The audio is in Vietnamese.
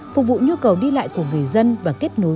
phục vụ nhu cầu đi lại của người dân và kết nối